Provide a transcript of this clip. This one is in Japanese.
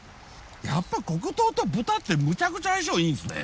やっぱ黒糖と豚ってむちゃくちゃ相性いいんですね。